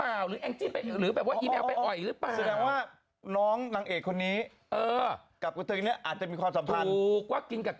ไอจีคืออีแมวไอจีเป็นผู้หญิงน่ะ